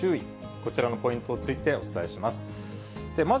こちらのポイントについてお伝えします。